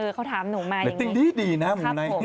เออเขาถามหนูมาอย่างนี้เดตติ้งดีนะมูไนท์